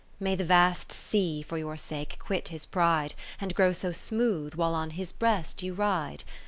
May the vast sea for your sake quit his pride. And grow so smooth, while on his breast you ride.